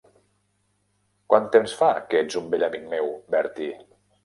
Quant temps fa que ets un vell amic meu, Bertie?